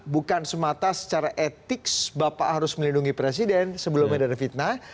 bukan semata secara etik bapak harus melindungi presiden sebelumnya dari fitnah